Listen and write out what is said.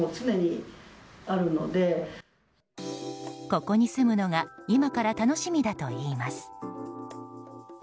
ここに住むのが今から楽しみだといいます。